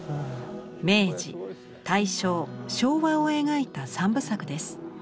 明治大正昭和を描いた三部作です。